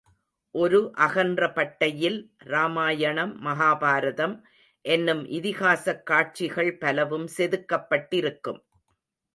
ஒரு அகன்ற பட்டையில் ராமாயணம், மகாபாரதம் என்னும் இதிகாசக் காட்சிகள் பலவும் செதுக்கப்பட்டிருக்கும்.